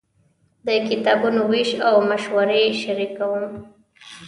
د کتابونو وېش او مشورې شریکوم.